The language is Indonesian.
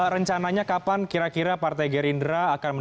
rencananya kapan kira kira partai gerindra akan mendukung